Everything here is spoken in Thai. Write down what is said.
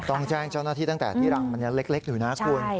ต้องแจ้งเจ้าหน้าที่ตั้งแต่ที่รังมันยังเล็กอยู่นะคุณ